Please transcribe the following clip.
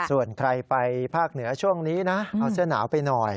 ส่วนใครไปภาคเหนือช่วงนี้นะเอาเสื้อหนาวไปหน่อย